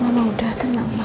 mama udah tenang mama